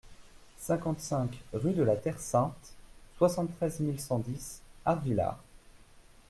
cinquante-cinq rue de la Terre Sainte, soixante-treize mille cent dix Arvillard